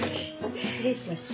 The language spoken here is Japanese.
失礼しました。